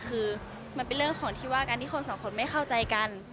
คือมันเป็นเรื่องของที่ว่าการที่คนสองคนไม่เข้าใจกัน